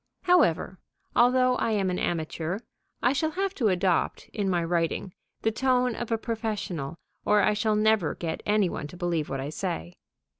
However, although I am an amateur, I shall have to adopt, in my writing, the tone of a professional, or I shall never get any one to believe what I say.